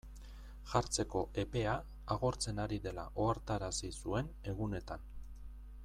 Jartzeko epea agortzen ari dela ohartarazi zuen egunetan.